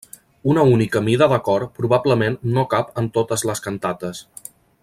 Una única mida de cor probablement no cap en totes les cantates.